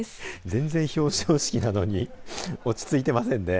全然、表彰式なのに落ち着いていませんね。